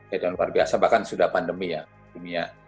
ya dan luar biasa bahkan sudah pandemi ya dunia